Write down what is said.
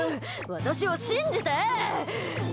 私を信じて！